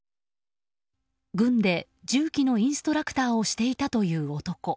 軍で銃器のインストラクターをしていたという男。